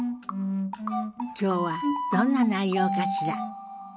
今日はどんな内容かしら。